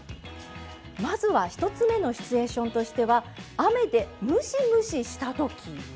まずは１つ目のシチュエーションとしては雨でムシムシしたときは。